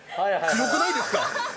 ◆強くないですか？